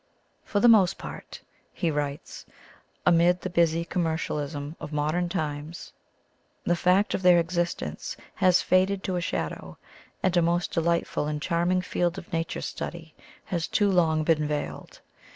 "For the most part," he writes, ''amid the busy commercialism of modern times, 171 THE COMING OF THE FAIRIES the fact of their existence has faded to a shadow, and a most delightful and charm ing field of nature study has too long been veiled.